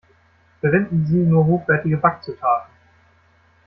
Verwenden Sie nur hochwertige Backzutaten!